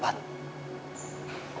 sekarangnya jam empat